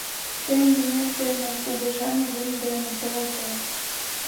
Тыйын лӱмет дене, Кугыжан лӱм дене, товатлем!